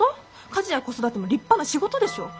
家事や子育ても立派な仕事でしょ。